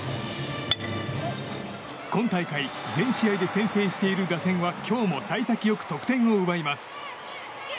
今大会、全試合で先制している打線は今日も幸先良く得点を奪います。